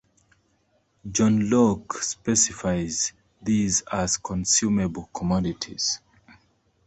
John Locke specifies these as consumable commodities.